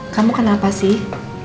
kamu kenapa sih